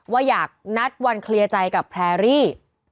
ว่าอยากนัดวันเคลียร์ใจกับแพรรี่